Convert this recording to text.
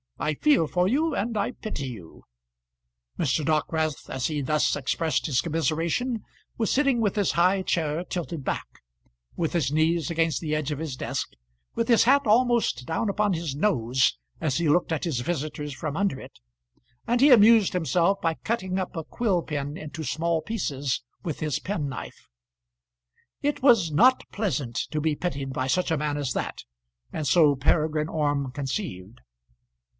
I feel for you, and I pity you." Mr. Dockwrath as he thus expressed his commiseration was sitting with his high chair tilted back, with his knees against the edge of his desk, with his hat almost down upon his nose as he looked at his visitors from under it, and he amused himself by cutting up a quill pen into small pieces with his penknife. It was not pleasant to be pitied by such a man as that, and so Peregrine Orme conceived.